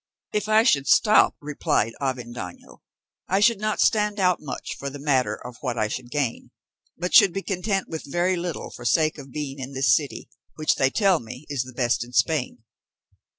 "If I should stop," replied Avendaño, "I should not stand out much for the matter of what I should gain, but should be content with very little for sake of being in this city, which, they tell me, is the best in Spain."